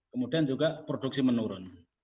kemudian juga produksi menurun